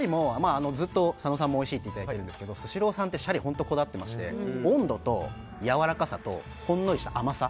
ずっと佐野さんもおいしいと言っていただけていますがスシローさんってシャリに本当にこだわっていまして温度とやわらかさとほんのりとした甘さ